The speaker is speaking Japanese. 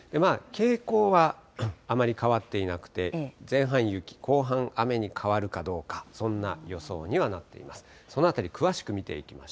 傾向はあまり変わっていなくて、前半雪、後半雨に変わるかどうか、そんな予想にはなっています。